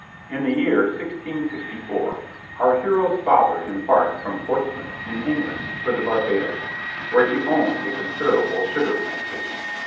In the year 1664 our hero's father embarked from Portsmouth, in England, for the Barbados, where he owned a considerable sugar plantation.